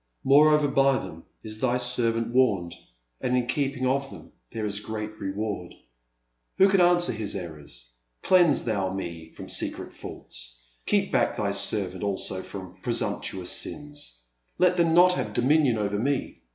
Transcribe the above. Moreover by them is Thy servant warned and in keeping of them there is great reward. Who can understand His errors ? Cleanse Thou me from secret faults. Keep back Thy servant 334 A Pleasant Evening. 335 also from presumptuous sins. I^t them not have dominion over me.